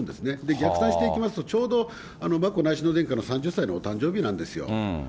逆算していきますと、ちょうど眞子内親王殿下の３０歳のお誕生日なんですよ。